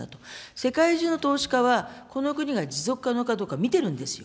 世界中の投資家は、この国が持続可能かどうか見ているんですよ。